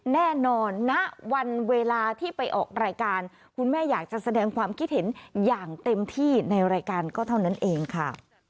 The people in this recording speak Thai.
แน่นอนณวันเวลาที่ไปออกรายการคุณแม่อยากจะแสดงความคิดเห็นอย่างเต็มที่ในรายการก็เท่านั้นเองค่ะ